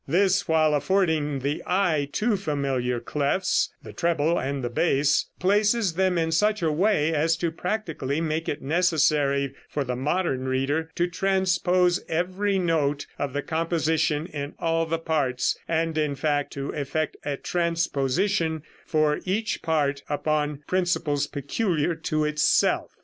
This, while affording the eye two familiar clefs, the treble and the bass, places them in such a way as to practically make it necessary for the modern reader to transpose every note of the composition in all the parts, and, in fact, to effect a transposition for each part upon principles peculiar to itself.